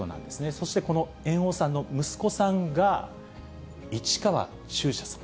そしてこの猿翁さんの息子さんが、市川中車さん。